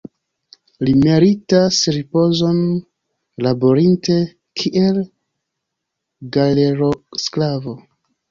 Li meritas ripozon, laborinte kiel galerosklavo.